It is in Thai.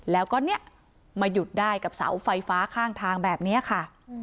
แล้วก็เนี่ยมาหยุดได้กับเสาไฟฟ้าข้างทางแบบนี้ค่ะ